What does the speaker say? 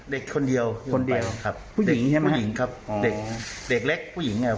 เด็กคนเดียวเทียบออกมาครับคนเดียว